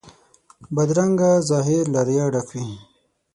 بدرنګه ظاهر له ریا ډک وي